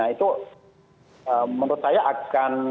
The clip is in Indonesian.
itu menurut saya akan